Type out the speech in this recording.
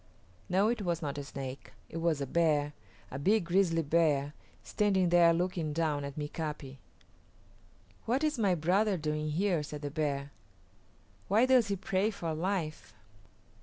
No, it was not a Snake; it was a bear, a big grizzly bear, standing there looking down at Mika´pi. "What is my brother doing here?" said the bear. "Why does he pray for life?"